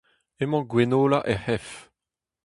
Emañ Gwenola er c'hef.